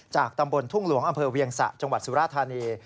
ตำบลทุ่งหลวงอำเภอเวียงสะจังหวัดสุราธานี